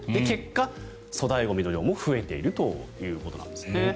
結果、粗大ゴミの量も増えているということなんですね。